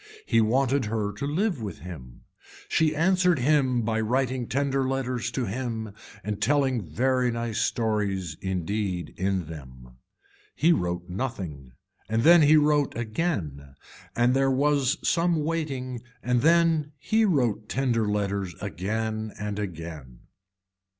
He wanted her to live with him. She answered him by writing tender letters to him and telling very nice stories indeed in them. He wrote nothing and then he wrote again and there was some waiting and then he wrote tender letters again and again.